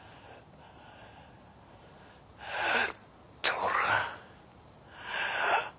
ところが。